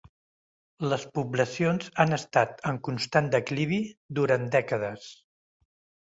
Les poblacions han estat en constant declivi durant dècades.